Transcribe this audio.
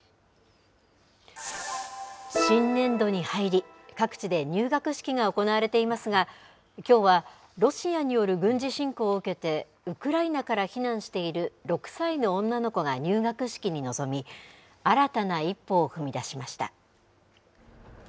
新年度に入り、各地で入学式が行われていますが、きょうはロシアによる軍事侵攻を受けて、ウクライナから避難している６歳の女の子が入学式に臨み、新たな一歩を踏み出しました。